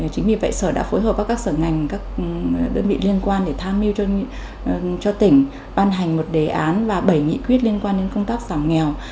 chính vì vậy sở đã phối hợp với các sở ngành các đơn vị liên quan để tham mưu cho tỉnh ban hành một đề án và bảy nghị quyết liên quan đến công tác giảm nghèo